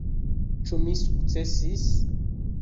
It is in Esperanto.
Ĉu mi sukcesis?